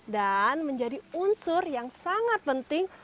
dan menjadi unsur yang sangat penting